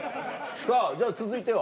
さぁじゃあ続いては？